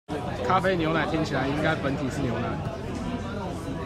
咖啡牛奶聽起來，應該本體是牛奶